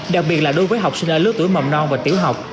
đặc biệt là đối với học sinh ở lứa tuổi mầm non và tiểu học